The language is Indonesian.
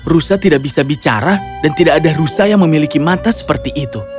rusa tidak bisa bicara dan tidak ada rusa yang memiliki mata seperti itu